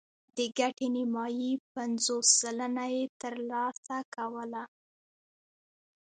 د ګټې نیمايي پنځوس سلنه یې ترلاسه کوله